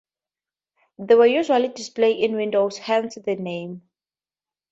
They were usually displayed in windows, hence the name.